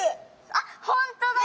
あっ本当だ！